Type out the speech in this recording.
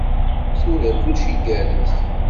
Tura kullec igerrez.